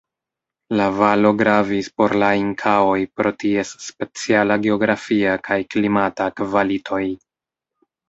La valo gravis por la Inkaoj pro ties speciala geografia kaj klimata kvalitoj.